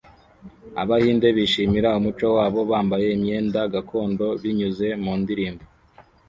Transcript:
Abahinde bishimira umuco wabo bambaye imyenda gakondo binyuze mu ndirimbo